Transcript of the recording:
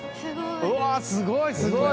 うわー、すごい、すごい！